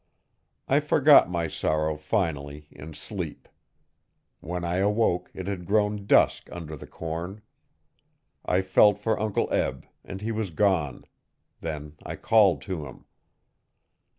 I forgot my sorrow, finally, in sleep. When I awoke it had grown dusk under the corn. I felt for Uncle Eb and he was gone. Then I called to him.